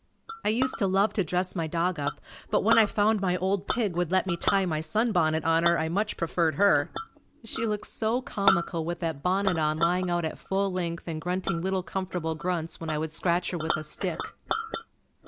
I used to love to dress my dog up but when I found my old pig would let me tie my sunbonnet on her I much preferred her. She looked so comical with that bonnet on lying out at full length and grunting little comfortable grunts when I would scratch her with a stick.